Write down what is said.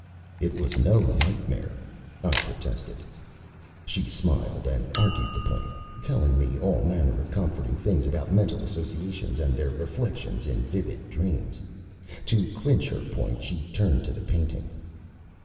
"It was no nightmare," I protested. She smiled and argued the point, telling me all manner of comforting things about mental associations and their reflections in vivid dreams. To clinch her point she turned to the painting.